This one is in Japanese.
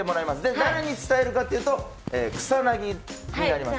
誰に伝えるかというと草薙君になります。